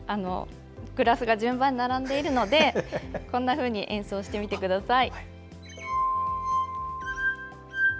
グラスが順番に並んでいるのでこんなふうに演奏してみてください。